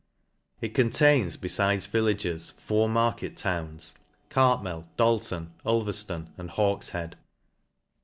It contains, befides villages, four market towns, Cartmel, Dalton> Uherfloji, and Hawkefiead.